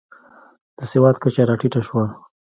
د سواد کچه راټیټه شوه.